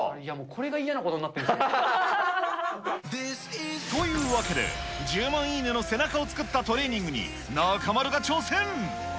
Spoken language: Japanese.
これが嫌なことになってるっというわけで、１０万いいねの背中を作ったトレーニングに、中丸が挑戦。